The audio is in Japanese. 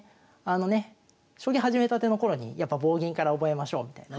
あのね将棋始めたての頃にやっぱ棒銀から覚えましょうみたいなね